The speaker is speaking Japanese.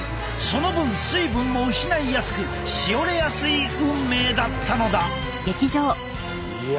その分水分も失いやすくしおれやすい運命だったのだ。